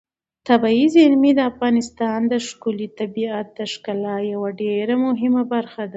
طبیعي زیرمې د افغانستان د ښكلي طبیعت د ښکلا یوه ډېره مهمه برخه ده.